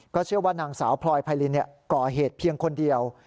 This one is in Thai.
เชื่อว่านางสาวพลอยไพรินก่อเหตุเพียงคนเดียว